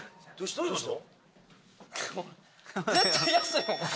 どういうこと？